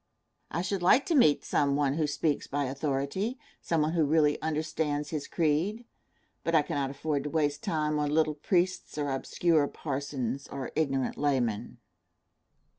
I should like to meet some one who speaks by authority, some one who really understands his creed, but I cannot afford to waste time on little priests or obscure parsons or ignorant laymen.